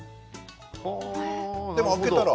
でも開けたら？